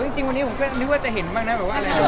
จริงวันนี้ผมก็นึกว่าจะเห็นบ้างนะแบบว่าอะไร